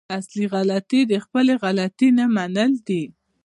اصلي غلطي د خپلې غلطي نه منل دي.